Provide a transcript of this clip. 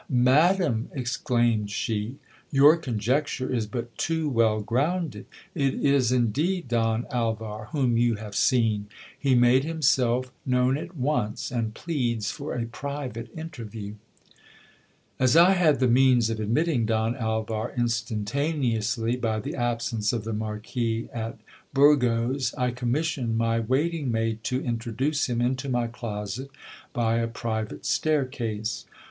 Madam, ex claimed she, your conjecture is but too well grounded ; it is indeed Don Alvar GIL BLAS. whom you have seen ; he made himself known at once, and pleads for a private interview. As I had the means of admitting Don Alvar instantaneously, by the absence of the Marquis at Burgos, I commissioned my waiting maid to introduce him into my closet by a private staircase.